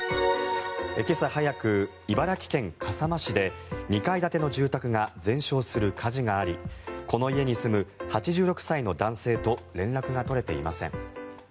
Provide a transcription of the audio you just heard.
今朝早く、茨城県笠間市で２階建ての住宅が全焼する火事がありこの家に住む８６歳の男性と連絡が取れていません。